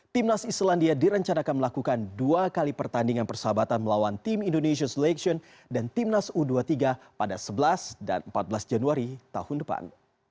timnas islandia direncanakan melakukan dua kali pertandingan persahabatan melawan tim indonesia selection dan timnas u dua puluh tiga pada sebelas dan empat belas januari tahun depan